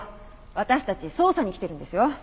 私たち捜査に来てるんですよ。